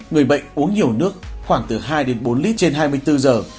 người bệnh uống nhiều nước khoảng từ hai đến bốn lít trên hai mươi bốn giờ